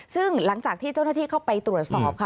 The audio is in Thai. ซึ่งหลังจากที่เจ้าหน้าที่เข้าไปตรวจสอบค่ะ